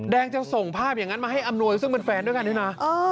จะส่งภาพอย่างนั้นมาให้อำนวยซึ่งเป็นแฟนด้วยกันด้วยนะ